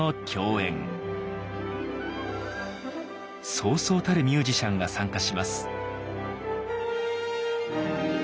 そうそうたるミュージシャンが参加します。